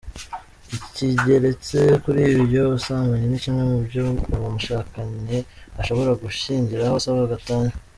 Ikigeretse kuri ibyo ubusambanyi ni kimwe mu byo uwo mwashakanye ashobora gushyingiraho asaba gatanya.